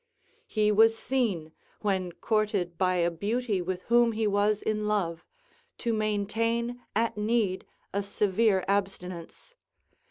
He was seen, when courted by a beauty with whom he was in love, to maintain at need a severe abstinence.